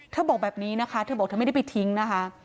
บอกแบบนี้นะคะเธอบอกเธอไม่ได้ไปทิ้งนะคะ